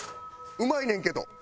うまいねんけど！